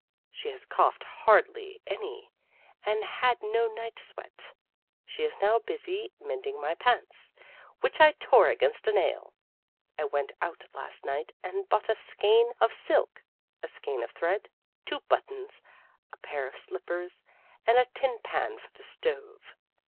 She has coughed hardly any and had no night sweat. She is now busy mending my pants, which I tore against a nail. I went out last night and bought a skein of silk, a skein of thread, two buttons, a pair of slippers, and a tin pan for the stove.